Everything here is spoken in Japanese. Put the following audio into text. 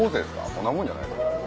こんなもんじゃないですか。